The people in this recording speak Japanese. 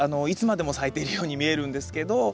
いつまでも咲いているように見えるんですけど。